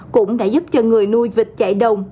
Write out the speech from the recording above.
cũng đã giúp cho người nuôi vịt chạy đồng